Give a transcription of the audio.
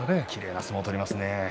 きれいな相撲取りますね。